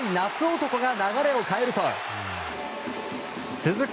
男が流れを変えると続く